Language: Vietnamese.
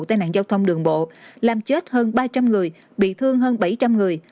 tai nạn giao thông đường bộ làm chết hơn ba trăm linh người bị thương hơn bảy trăm linh người